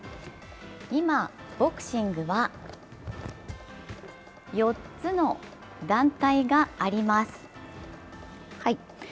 今、ボクシングは４つの団体があります。